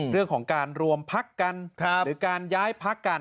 เรื่องของการรวมพักกันหรือการย้ายพักกัน